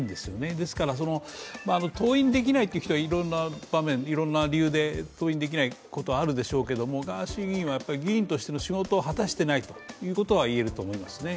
ですから登院できないという人はいろんな場面で登院できないということはあるんでしょうけどガーシー議員は議員としての仕事を果たしていないとは言えると思いますね。